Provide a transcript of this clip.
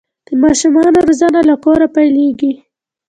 د ماشومانو روزنه له کوره پیلیږي.